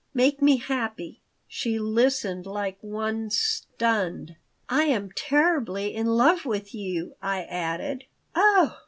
Make me happy." She listened like one stunned "I am terribly in love with you," I added "Oh!"